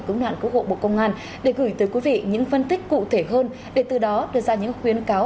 cứu nạn cứu hộ bộ công an để gửi tới quý vị những phân tích cụ thể hơn để từ đó đưa ra những khuyến cáo